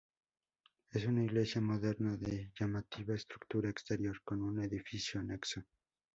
Es una iglesia moderna de llamativa estructura exterior, con un edificio anexo.